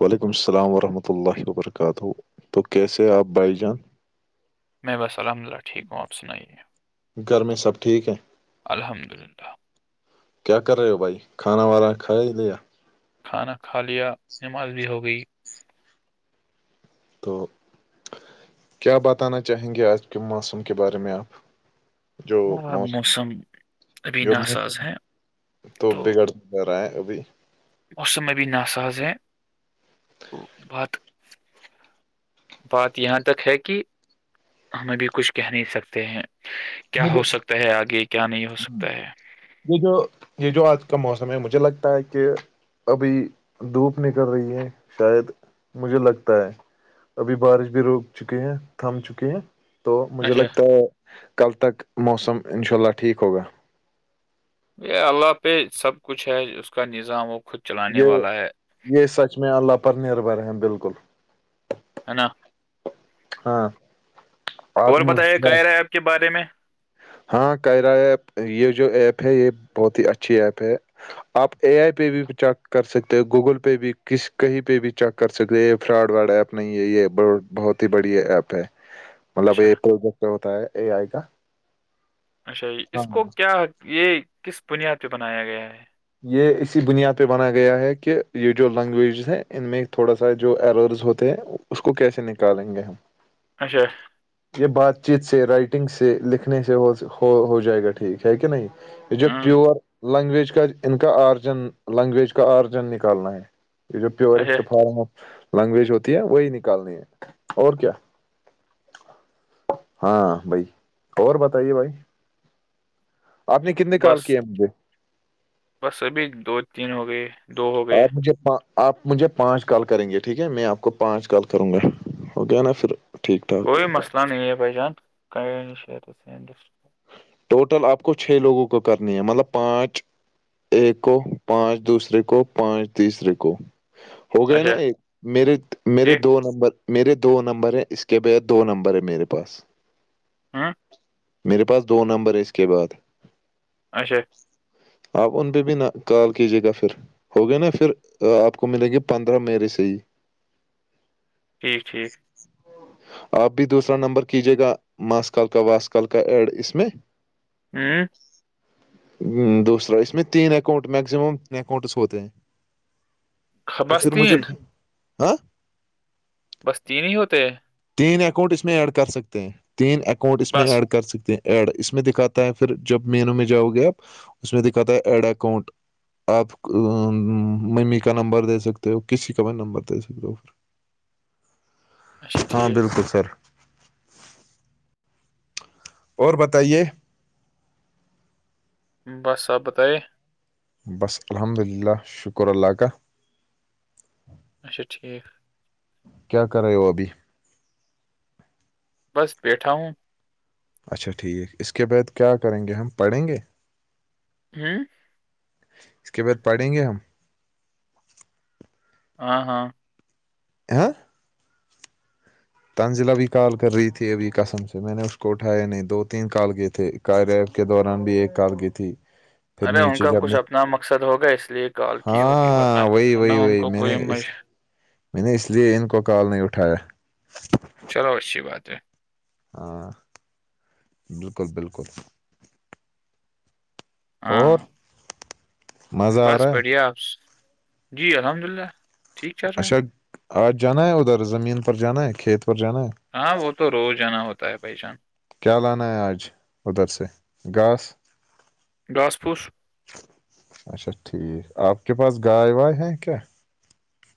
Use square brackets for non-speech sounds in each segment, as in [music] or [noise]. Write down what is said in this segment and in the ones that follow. وعلیکم السلام ورحمۃ اللہ وبرکاتہ تو کیسے آپ بھائی جان میں بس الحمد للہ ٹھیک ہوں آپ سنائیے گھر میں سب ٹھیک ہے الحمد للہ کیا کر رہے ہو بھائی کھانا وانا کھا ہی لیا کھانا کھا لیا نماز بھی ہو گئی تو کیا بتانا چاہیں گے آج کے موسم کے بارے میں آپ جو موسم ابھی جو ناساز موسم ہے تو بگڑ ج رہا ہے ابھی موسم ا بھی ناساز ہے تو بات بات یہاں تک ہے کہ ہم ابھی کچھ کہہ نہیں سکتے ہیں کیا ہو مجھے سکتا ہے آگے کیا نہیں ہو سکتا ہے یہ جو یہ جو آج کا موسم ہے مجھے لگتا ہے کہ ابھی دھوپ نکل رہی ہے شاید مجھے لگتا ہے ابھی بارش بھی روک چکے ہیں تھم چکے ہیں تو مجھے اچھا لگتا ہے کل تک موسم ان شاء اللہ ٹھیک ہوگا ب اللہ پہ سب کچھ ہے اس کا نظام وہ خود چلانے یہ والا ہے یہ سچ میں اللہ پر نربھر ہیں بالکل- ہے نا - ہاں- اور آتم بتے وشواس کہ رہا ہے آپ کے بارے میں ہاں کائرہ ایپ یہ جو ایپ ہے یہ بہت ہی اچھی ایپ ہے- آپ اے آئی پے بھی چیک کر سکتے ہیں گوگل پے بھی کسی کہیں پہ بھی چیک کر سکتے یہ فراڈ- واڈا ایپ نہیں ہے یہ بہت بڑی ایپ ہے مطلب اچھا ا پ جس ہوتا ہے اے آئی کا- اچھا ج، ہاں اس کو کیا یہ کس بنیاد پہ بنایا گیا ہے- یہ اسی بنیاد پہ بنا گیا ہے کہ یہ جو لینگویجز ہیں ان میں تھوڑا سا جو الرز ہوتے ہیں- اس کو کیسے نکالیں گے ہم? اچھا- یہ بات چیت سے رائٹنگ سے لکھنے سے ہو جائے گا ٹھیک ہے کہ نہیں- یہ جوا ہاں پیور لینگویج کات- ان کا آرجن لینگویج کا آرجن نکالنا ہے یہ جو اچھا پیورسٹ فارم آف- لینگویج ہوتی ہے وہی نکالنی ہے اور کیا- ہاں بھائی اور بتائیے بھائی- آپ نے کتنے کال بس کیے مجھے- بس ابھی دو تین ہو گئے دو ہو گئے اورپ مجھے آپ مجھے پانچ کال کریں گے، ٹھیک ہے میں آپ کو پانچ کال کروں گا اوکے ہے نا پھر- ٹھیک ٹھاک کوئی مسئلہ نہیں ہے بائی جان- ٹوٹل آپ کو چھ لوگوں کو کرنی ہے مطلب پانچ ایک کو پانچ دوسرے کو پانچ تیسرے کو ہو گئے نا اچھا ایک- میرے -میرے ٹھیک دو نمبر میرے دو نمبر ہیں اس کے بغ دو نمبر ہیں میرے پاس- [inaudible] میرے پاس, دو نمبر اس کے بعد اچھا- آپ ان پہ بھی نہ کال کیجیے گا پھر- ہو گیا نا پھر آپ کو ملے گی پندرہ میریرے سے ہی- ٹھیک- ٹھیک آپ بھی دوسا نمبر کیجیے گا ماسکال کا واسکال کا ایڈ اس میں- [unintelligible] [unintelligible] دوسرا اس میں تین اکانٹ میکزممین اکاؤنٹس ہوتے ہیں- خ- تو بس پھر مجھے تین ہاں- بس تین ہی ہوتے تین اکاؤنٹ اس میں ایڈ کر سکتے ہیں تین اکاؤنٹ اس میں بس ایڈ کر سکتے ہیں- ایڈ اس میں دکھاتا ہے پھر جب مینو میں جاؤ گے آپ اس میں دکھاتا ہے ایڈ اکاؤنٹ- آپ ممی کا نمبر دے سکتے ہو کسی کا بھی نمبر دے سکتے ہو- پھر۔ [inaudible] اچھا ہاں, ٹھیک بالکل سر- اور بتائیے بس آ ب تو- بس الحمد للہ شکر اللہ کاہ- اچھا ٹھیک- کیا کر رہے ہو ابھی- بس بیٹھا ہوں- اچھا ٹھیک اس کے بعد کیا کریں گے ہم پڑھیں گے- جی اس کے بعد پڑھیں گے ہم ہ ہاں ہاں تانزلا بھی کال کر رہی تھی ابھی قسم سے میں نے اس کو اٹھائے نہیں دو تین کال کیے تھے کیہ کے دوران بھی ایک کال کی تھی [unintelligible] پھر ارے ان نیچے کا جب کچھ میں اپنا مقصد ہوگا اس لیے کال کی ہوگی ورنہ ہاں وہی ورنہ وہی ان وہی کو میں نے کوئی مج اس میں نے اس لیے ان کو کال نہیں اٹھایا چلو اچھی بات ہے ہاں بالکل بالکل اور ہاں مزہ آ بس رہا ہے پڑھیا آپ جی الحمد للہ ٹھیک چل رہا ہے اچھا آج جانا ہے ادھر زمین پر جانا ہے کھیت پر جانا ہے ہاں وہ تو روز جانا ہوتا ہے بھائی جان کیا لانا ہے آج ادھر سے گھاس ڈاس پوش اچھا ٹھیک آپ کے پاس گائےائے وائےائے ہے کیا کیا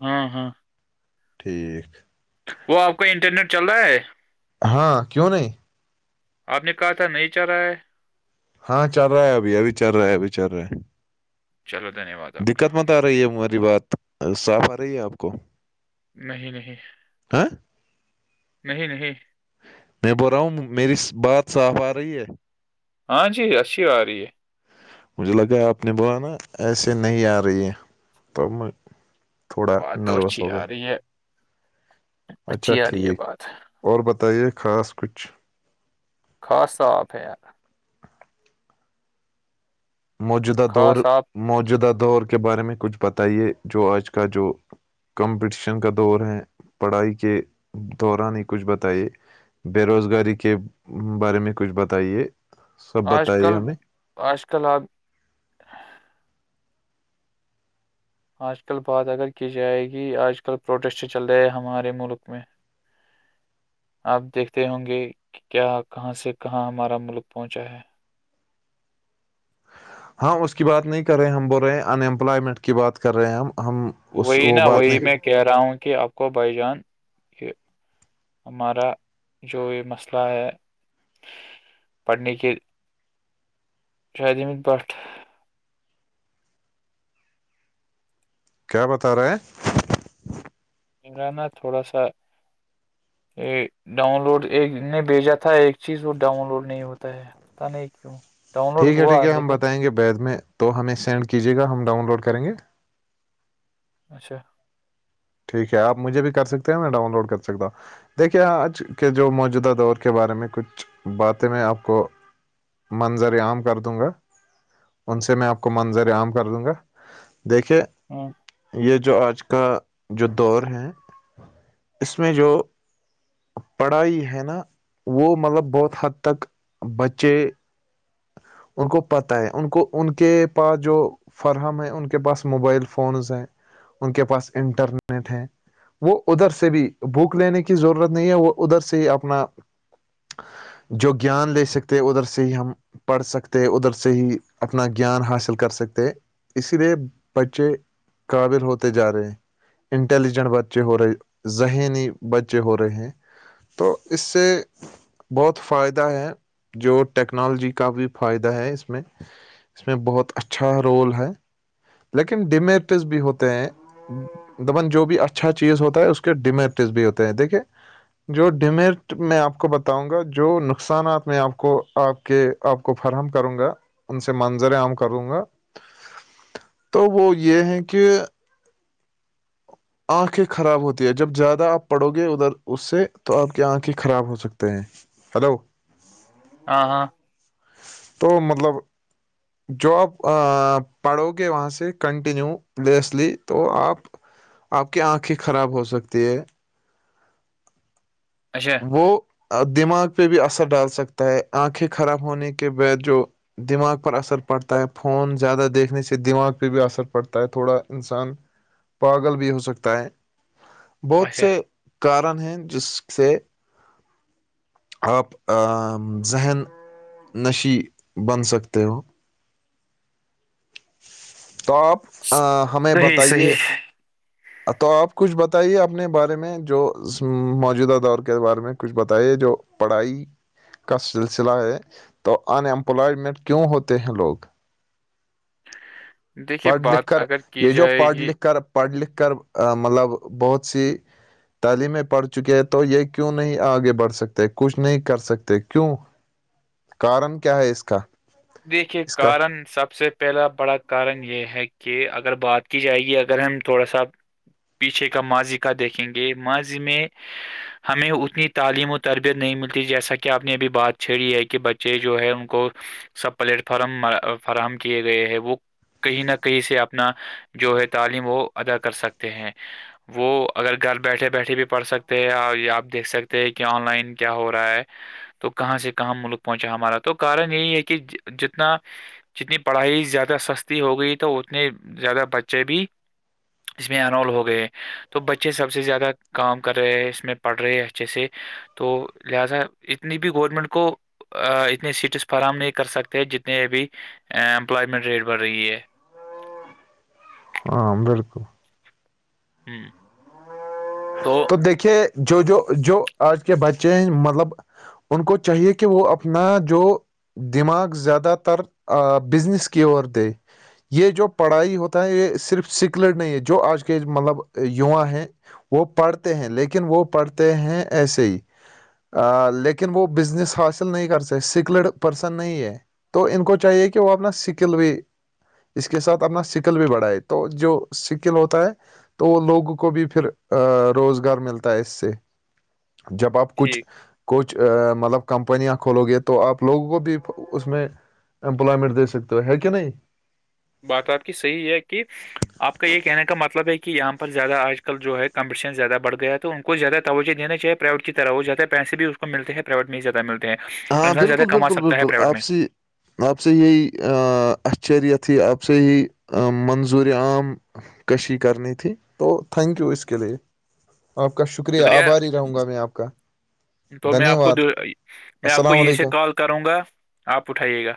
ہاں ہاں ٹھیک وہ آپ کا انٹرنیٹ چل رہا ہے ہاں کیوں نہیں آپ نے کہا تھا نہیں چل رہا ہے ہاں چل رہا ہے ابھی ابھی چل رہا ہے ابھی چل رہا ہے چلو دھنیہ واد آپ دقت کا مت آ رہی ہے ہماری بات صاف آ رہی ہے آپ کو نہیں نہیں ہاں نہیں نہیں میں بول رہا ہوں میری بات صاف آ رہی ہے ہاں جی اچھی آ رہی ہے مجھے لگا آپ نے بولانا ایسے نہیں آ رہی ہے تو میں تھوڑا بات تو نروس اچھی ہو گئے آ رہی ہے اچھا اچھی آ رہی ہے ٹھیک بات اور بتائیے خاص کچھ خاص صاف ہے یار موجودہ دور خاص آپ موجودہ دور کے بارے میں کچھ بتائیے جو آج کا جو کمپٹیشن کا دور ہے پڑھائی کے دوران ہی کچھ بتائیے بے روزگاری کے بارے میں کچھ بتائیے سب آج بتائیے کل ہمیں آج کل آپ آج کل بات اگر کی جائے گی آج کل پروٹیسٹ چل رہے ہیں ہمارے ملک میں آپ دیکھتے ہوں گے کہ کیا کہاں سے کہاں ہمارا ملک پہنچا ہے ہاں اس کی بات نہیں کر رہے ہم بول رہے ہیں انمپلائمنٹ کی بات کر رہے ہیں ہم ہم اس وہی وہ نہا بات وہی نہیں میں کہہ رہا ہوں کہ آپ کو بھائی جان یہ ہمارا جو یہ مسئلہ ہے پڑھنے کے شاہد احمید بٹ کیا بتا رہے ہیں میرا نا تھوڑا سا یہ ڈاؤن لوڈ ایک نے بھیجا تھا ایک چیز وہ ڈاؤن لوڈ نہیں ہوتا ہے ت نہیںکو ٹھیک ہے ٹھیک ہے ہم بتائیں گے بیید میں تو ہمیں سینڈ کیجیے گا ہم ڈاؤن لوڈ کریں گے اچھا ٹھیک ہے آپ مجھے بھی کر سکتے ہیں میں ڈاؤن لوڈ کر سکتا دیکھیے آج کے جو موجودہ دور کے بارے میں کچھ باتیں میں آپ کو منظر عام کر دوں گا ان سے میں آپ کو منظر عام کر دوں گا دیکھیے ہاں یہ جو آج کا جو دور ہے اس میں جو پڑھائی ہے نا وہ مطلب بہت حد تک بچے ان کو پتہ ہے ان کو ان کے پاس جو فراہم ہے ان کے پاس موبائل فونز ہیں ان کے پاس انٹرنیٹ ہے وہ ادھر سے بھی بھوک لینے کی ضرورت نہیں ہے وہ ادھر سے ہی اپنا جو گیان لے سکتے ادھر سے ہی ہم پڑھ سکتے ادھر سے ہی اپنا گیان حاصل کر سکتے اسی لیے بچے کاابر ہوتے جا رہے ہیں انٹیلیجنٹ بچے ہو رہے ذہنی بچے ہو رہے ہیں تو اس سے بہت فائدہ ہے جو ٹیکنالوجی کا بھی فائدہ ہے اس میں اس میں بہت اچھا رول ہے لیکن ڈیمیرٹز بھی ہوتے ہیں دبن جو بھی اچھا چیز ہوتا ہے اس کے ڈیمیرٹس بھی ہوتے ہیں دیکھے جو ڈیمیرٹ میں آپ کو بتاؤں گا جو نقصانات میں آپ کو آپ کے آپ کو فراہم کروں گا ان سے منظر عام کروں گا تو وہ یہ ہیں کہ آنکھیں خراب ہوتی ہیں جب زیادہ آپ پڑو گے ادھر اس سے تو آپ کی آنکھیں خراب ہو سکتے ہیں ہلو ہاں ہاں تو مطلب جو آپ پڑھو گے وہاں سے کنٹینیو لیسلی تو آپ آپ کی آنکھیں خراب ہو سکتی ہے اچھ وہ دماغ پہ بھی اثر ڈال سکتا ہے آنکھیں خراب ہونے کے بد جو دماغ پر اثر پڑتا ہے فون زیادہ دیکھنے سے دماغ پہ بھی اثر پڑتا ہے تھوڑا انسان پاگل بھی ہو سکتا ہے بہت اچھا سے کارن ہیں جس سے آپ ذہن نشی بن سکتے ہو [unintelligible] توٹپ صحیح صحیح تو آپ کچھ بتائیے اپنے بارے میں جو موجودہ دور کے بارے میں کچھ بتائیے جو پڑھائی کا سلسلہ ہے تو انمپلائمنٹ کیوں ہوتے ہیں لوگ [inaudible] دیکھیے پڑھ لکھ بات کر اگر کی یہ جو جائے پڑھ گی لکھ کر پڑھ لکھ ر مطلب بہت سی تعلیمیں پڑھ چکے ہے تو یہ کیوں نہیں آگے بڑھ سکتے کچھ نہیں کر سکتے کیوں [inaudible] کارن کیا ہے اسس کاا دیکھیے کارن سب سے پہلا بڑا کارن یہ ہے کہ اگر بات کی جائے گی اگر ہم تھوڑا سا پیچھے کا ماضی کا دیکھیں گے ماضی میں ہمیں اتنی تعلیم و تربیت نہیں ملتی جیسا کہ آپ نے ابھی بات چھیڑی ہے کہ بچے جو ہے ان کو سب پلیٹ فارم فراہم کیے گئے ہیں وہ کہیں نہ کہیں سے اپنا جو ہے تعلیم وہ ادا کر سکتے ہیں وہ اگر گھر بیٹھے بیٹھے بھی پڑھ سکتے ہیں یا آپ دیکھ سکتے ہیں کہ آن لائن کیا ہو رہا ہے تو کہاں سے کہاں ملک پہنچا ہمارا تو کارن یہی ہے کہ جتنا جتنی پڑھائی زیادہ سستی ہو گئی تو اتنے زیادہ بچے بھی اس میں انرول ہو گئے ہیں تو بچے سب سے زیادہ کام کر رہے ہیں اس میں پڑھ رہے اچھے سے [unintelligible] کر سکتے ہیں جتنے ابھی امپلائمنٹ ریٹ بڑھ رہی ہے ہاں بالکل ہوں تو تو دیکھیے جو جو جو آج کے بچے ہیں مطلب ان کو چاہیے کہ وہ اپنا جو دماغ زیادہ تر بزنس کی اورور د یہ جو پڑھائی ہوتا ہے یہ صرف سکلڈ نہیں ہے جو آج کے مطلب یوا ہیں وہ پڑھتے ہیں لیکن وہ پڑھتے ہیں ایسے ہی لیکن وہ بزنس حاصل نہیں کر سک سکلڈ پرسن نہیں ہے تو ان کو چاہیے کہ وہ اپنا سکل وے اس کے ساتھ اپنا سکل بھی بڑھائے تو جو سکل ہوتا ہے تو وہ لوگوں کو بھی پھر ا روزگار ملتا ہے اس سے جب آپ کچھ ٹھیک کچھ مطلب کمپنیاں کھولو گی تو آپ لوگوں کو بھی اس میں امپلائمنٹ دے سکتے ہو ہے کہ نہیں بات آپ کی صحیح ہے کہ آپ کا یہ کہنے کا مطلب ہے کہ یہاں پر زیادہ آج کل جو ہے کمپٹیشن زیادہ بڑھ گیا تھا تو ان کو زیادہ توجہ دینے چیے پرائیوی کی طرح وہ زدہ پیسے بھی اس کو ملتے ہیں پرائیوٹ میں ہی زیاہلتے ہیں ہاں انسان زیادہ بالکل کما بالکل سکتا ہے بالکل پرائیویٹ میں آپسی آپ سے یہی اچریت ہی آپ سے ہی منظور عام کشی کرنی تھی تو تھینک یو اس کے لیے آپ کا شکریہ آباری رہوں گا میں آپ کا تو میں دھنیہ آپ کو دو- واد میں آپ کو السلام یہی سے علیکم کال کروں گا آپ اٹھائیے گا